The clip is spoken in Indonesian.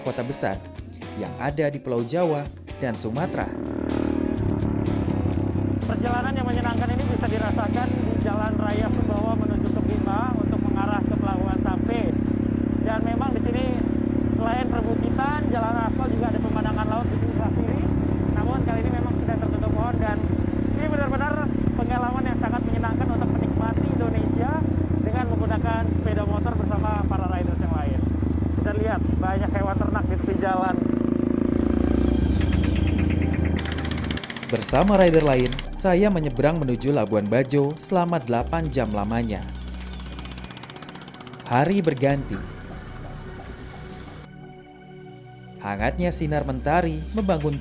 kita sekarang menuju ke ruteng